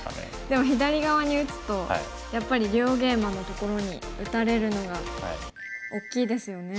でも左側に打つとやっぱり両ゲイマのところに打たれるのが大きいですよね。